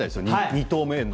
２投目で。